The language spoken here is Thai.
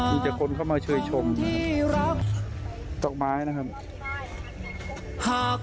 มีแต่คนเข้ามาช่วยชมที่รักดอกไม้นะครับ